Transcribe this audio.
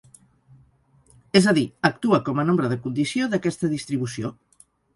És a dir, actua com a nombre de condició d'aquesta distribució.